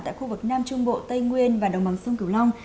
tại khu vực nam trung bộ tây nguyên và đồng bằng sông cửu long